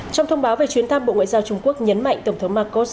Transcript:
trong thông báo về chuyến thăm bộ ngoại giao trung quốc nhấn mạnh tổng thống marcos